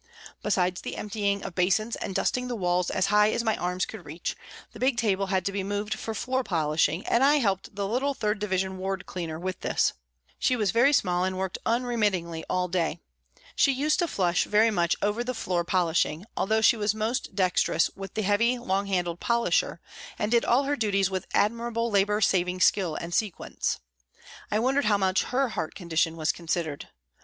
Besides the emptying of basins and dusting the walls as high as my arms could reach, the big table had to be moved for floor polishing, and I helped the little 3rd Division ward cleaner with this. She was very small and worked unremittingly all day. She used to flush very much over the floor polishing, although she was most dexterous with the heavy, long handled polisher, and did all her duties with admir able labour saving skill and sequence. I wondered how much her heart condition was considered.